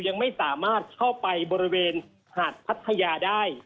ยังไม่สามารถเข้าไปบริเวณหาดพัทยาได้